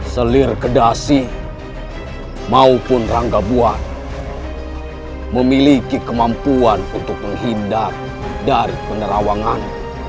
selir kedasi maupun rangga buah memiliki kemampuan untuk menghindar dari penerawangan